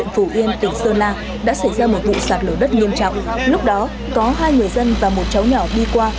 phù yên tỉnh sơn la đã xảy ra một vụ sạt lở đất nghiêm trọng lúc đó có hai người dân và một cháu nhỏ đi qua